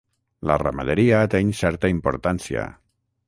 La ramaderia ateny certa importància.